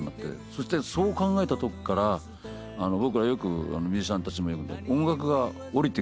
そしてそう考えたときから僕らよくミュージシャンたちも言うけど。